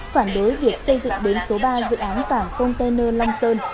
phản đối việc xây dựng bến số ba dự án cảng container long sơn